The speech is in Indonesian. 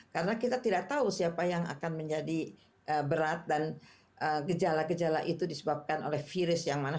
karena kita tidak tahu siapa yang akan menjadi berat dan gejala gejala itu disebabkan oleh virus yang mana